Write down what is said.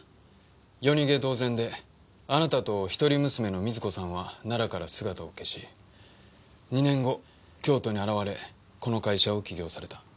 夜逃げ同然であなたと一人娘の瑞子さんは奈良から姿を消し２年後京都に現れこの会社を起業された。